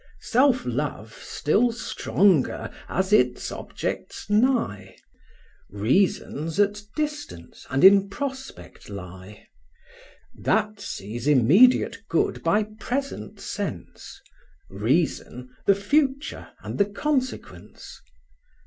Self love still stronger, as its objects nigh; Reason's at distance, and in prospect lie: That sees immediate good by present sense; Reason, the future and the consequence.